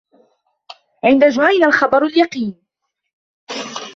عند جُهَيْنَةَ الخبر اليقين